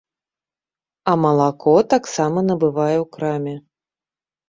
А малако таксама набывае ў краме.